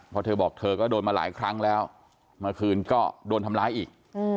เพราะเธอบอกเธอก็โดนมาหลายครั้งแล้วเมื่อคืนก็โดนทำร้ายอีก